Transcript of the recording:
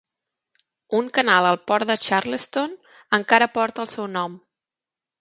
Un canal al port de Charleston encara porta el seu nom.